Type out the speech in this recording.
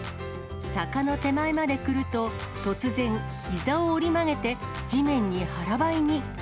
坂の手前まで来ると突然、ひざを折り曲げて地面に腹ばいに。